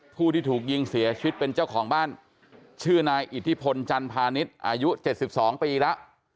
ผู้ที่ถูกยิงเสียชีวิตเป็นเจ้าของบ้านชื่อนายอิทธิพลจันพาณิชย์อายุ๗๒ปีแล้ว